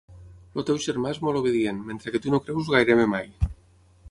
El teu germà és molt obedient, mentre que tu no creus gairebé mai.